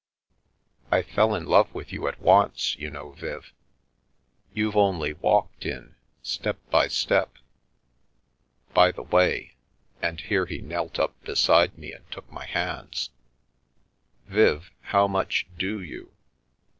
" I fell in love with you at once, you know, Viv. You've only walked in, step by step. By the way" — and here he knelt up beside me and took my hands, " Viv, how much do you